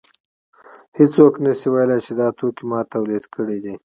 هېڅوک نشي ویلی چې دا توکی ما تولید کړی دی